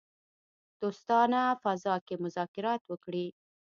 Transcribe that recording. دوستانه فضا کې مذاکرات وکړي.